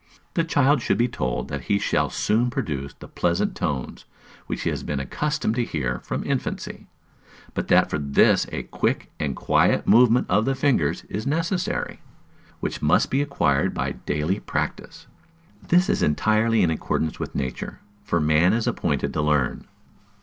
The child should be told that he shall soon produce the pleasant tones, which he has been accustomed to hear from infancy; but that for this a quick and quiet movement of the fingers is necessary, which must be acquired by daily practice. This is entirely in accordance with nature, for man is appointed to learn.